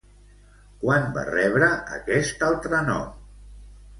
Quan va rebre aquest altre nom?